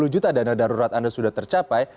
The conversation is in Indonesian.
tiga puluh juta dana darurat anda sudah tercapai